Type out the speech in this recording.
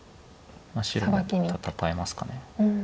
白も戦えますかね。